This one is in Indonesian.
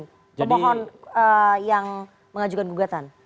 pemohon yang mengajukan gugatan